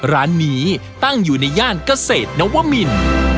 ร้านนี้ตั้งอยู่ในย่านเกษตรนวมิน